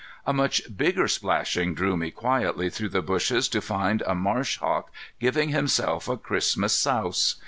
A much bigger splashing drew me quietly through the bushes to find a marsh hawk giving himself a Christmas souse.